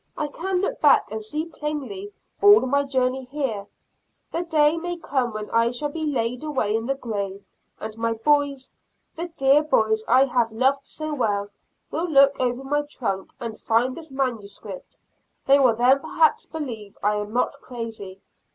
I can look back and see plainly all my journey here. The day may come when I shall be laid away in the grave, and my boys the dear boys I have loved so well will look over my trunk and find this manuscript; they will then perhaps believe I am not crazy.